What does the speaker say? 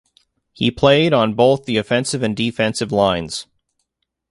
He played on both the offensive and defensive lines.